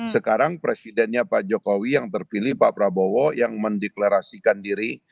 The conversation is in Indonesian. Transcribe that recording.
sekarang presidennya pak jokowi yang terpilih pak prabowo yang mendeklarasikan diri